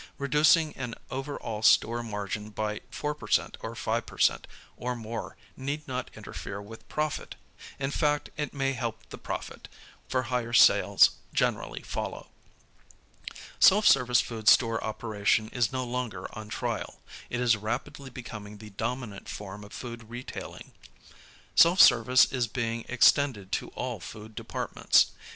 Reducing an over all store margin by 4% or 5% or more need not interfere with profit. In fact it may help the profit, for higher sales generally follow. Self service food store operation is no longer on trial. It is rapidly be coming the dominant form of food retailing. Self service is being ex tended to all food departments.